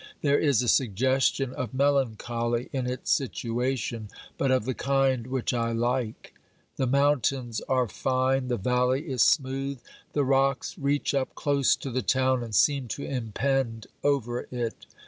There is a suggestion of melancholy in its situation, but of the kind which I like. The mountains are fine, the valley is smooth, the rocks reach up close to the town and seem to impend over it.